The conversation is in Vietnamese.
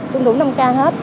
tuân thủ năm k hết